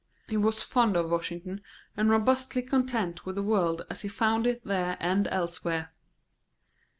He was fond of Washington, and robustly content with the world as he found it there and elsewhere.